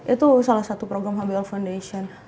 itu salah satu program hamil foundation